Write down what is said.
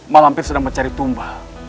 malampir sedang mencari tumba